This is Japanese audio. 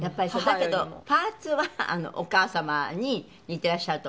だけどパーツはお母様に似てらっしゃると。